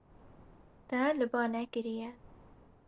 Te li ba nekiriye.